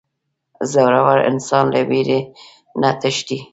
• زړور انسان له وېرې نه تښتي.